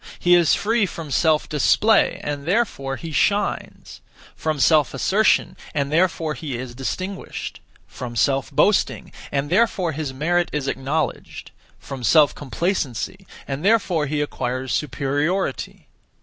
He is free from self display, and therefore he shines; from self assertion, and therefore he is distinguished; from self boasting, and therefore his merit is acknowledged; from self complacency, and therefore he acquires superiority.